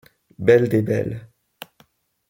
Belle des belles